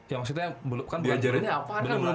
yang maksudnya kan diajarinnya apaan kan